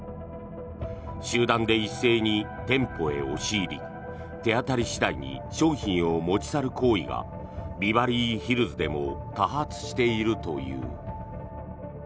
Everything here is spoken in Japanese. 集団で一斉に店舗へ押し入り手当たり次第に商品を持ち去る行為がビバリーヒルズでも多発しているという。